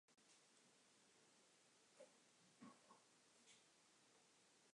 His pop music albums mainly consist of soft rock and pop ballad tunes.